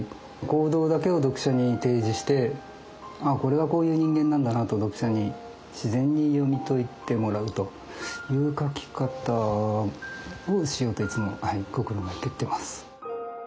行動だけを読者に提示してああこれはこういう人間なんだなと読者に自然に読み解いてもらうという書き方をしようといつも心がけてます。